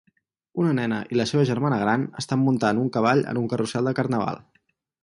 Una nena i la seva germana gran estan muntant un cavall en un carrusel de Carnaval